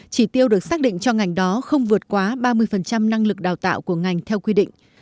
chỉ tiêu được xác định cho ngành đó không vượt quá ba mươi năng lực đào tạo của ngành theo quy định